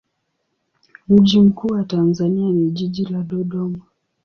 Mji mkuu wa Tanzania ni jiji la Dodoma.